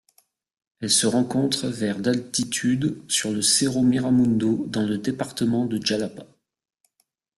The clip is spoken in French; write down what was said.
Elle se rencontre vers d'altitude sur le Cerro Miramundo dans le département de Jalapa.